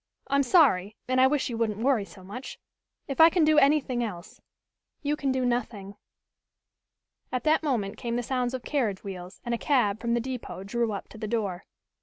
I'm sorry, and I wish you wouldn't worry so much. If I can do anything else " "You can do nothing." At that moment came the sounds of carriage wheels and a cab from the depot drew up to the door.